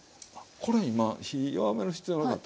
これ今火弱める必要なかった。